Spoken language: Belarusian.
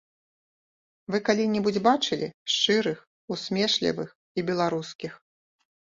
Вы калі-небудзь бачылі шчырых, усмешлівых і беларускіх?